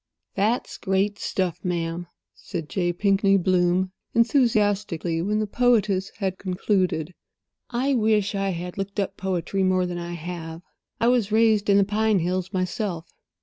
"That's great stuff, ma'am," said J. Pinkney Bloom, enthusiastically, when the poetess had concluded. "I wish I had looked up poetry more than I have. I was raised in the pine hills myself."